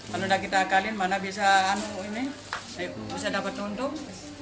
kalau sudah kita akalin mana bisa dapat untung